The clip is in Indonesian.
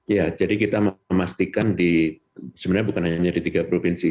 ya jadi kita memastikan sebenarnya bukan hanya di tiga provinsi